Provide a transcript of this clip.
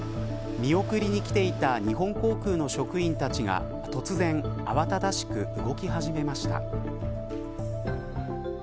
見送りに来ていた日本航空の職員たちが突然慌ただしく動き始めました。